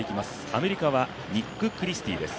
アメリカはニック・クリスティーです。